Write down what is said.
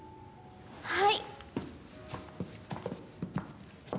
はい。